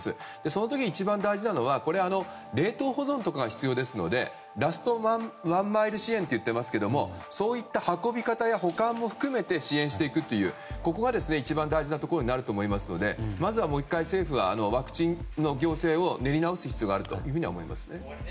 その時に、一番大事なのは冷凍保存とかが必要ですのでラストワンマイル支援といっていますけどそういった運び方や保管も含めて支援していくというここが一番大事なところになると思いますのでまずは、もう１回政府はワクチンの行政を練り直す必要があるとは思いますね。